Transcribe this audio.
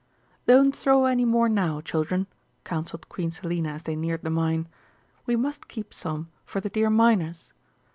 "Don't throw any more now, children," counselled Queen Selina as they neared the mine. "We must keep some for the dear miners.